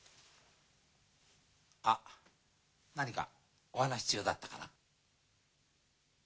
あ何かお話中だったかな？